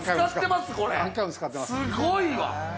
すごいわ。